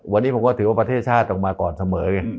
วันนี้ผมก็ถือว่าประเทศชาติออกมาก่อนเสมอไง